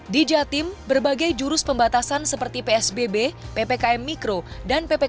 di jatim berbagai jurus pembatasan seperti psbb ppkm mikro dan ppkm